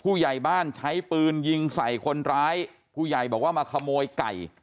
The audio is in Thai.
ผู้ใหญ่บ้านใช้ปืนยิงใส่คนร้ายผู้ใหญ่บอกว่ามาขโมยไก่